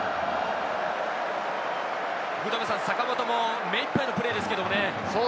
坂本も目いっぱいのプレーですけどね。